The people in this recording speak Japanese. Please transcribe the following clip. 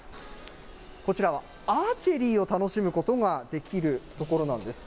こちらはアーチェリーを楽しむことができる所なんです。